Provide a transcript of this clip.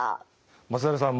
松平さん